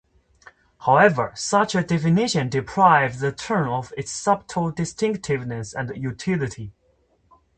However, such a definition deprives the term of its subtle distinctiveness and utility.